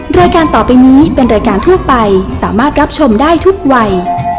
รายการต่อไปนี้เป็นรายการทั่วไปสามารถรับชมได้ทุกวัย